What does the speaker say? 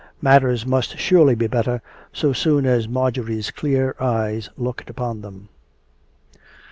Matters must surely be better so soon as Marjorie's clear eyes looked upon them.